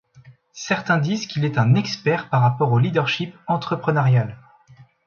Certains disent qu’il est un expert par rapport au leadership entrepreneurial.